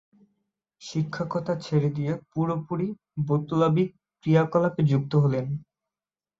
শিক্ষকতা ছেড়ে দিয়ে পুরোপুরি বৈপ্লবিক ক্রিয়াকলাপে যুক্ত হলেন।